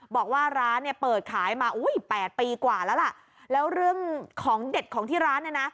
บอกว่าร้านเนี่ยเปิดขายมาอุ้ยแปดปีกว่าแล้วล่ะแล้วเรื่องของเด็ดของที่ร้านเนี่ยนะ